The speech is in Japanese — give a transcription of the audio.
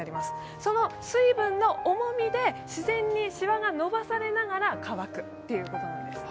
その水分の重みで自然にしわが伸ばされながら乾くということなんです。